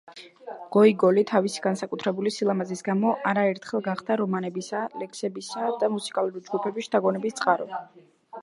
გოიგოლი თავისი განსაკუთრებული სილამაზის გამო არაერთხელ გახდა რომანების, ლექსებისა და მუსიკალური ჯგუფების შთაგონების წყარო.